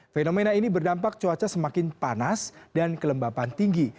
fenomena ini berdampak cuaca semakin panas dan kelembapan tinggi